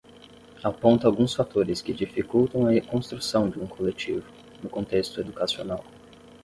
aponta alguns fatores que dificultam a construção de um coletivo, no contexto educacional